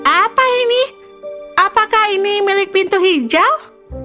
apa ini apakah ini milik pintu hijau